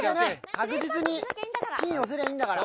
確実にピン寄せりゃいいんだから。